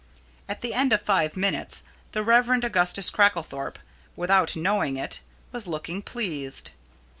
At the end of five minutes the Rev. Augustus Cracklethorpe, without knowing it, was looking pleased.